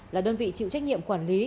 là đơn vị chịu trách nhiệm quản lý